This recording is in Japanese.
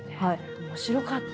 面白かった。